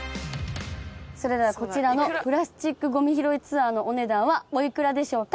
それではこちらのプラスチックゴミ拾いツアーのお値段はお幾らでしょうか？